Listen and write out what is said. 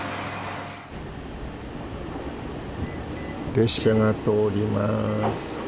列車が通ります。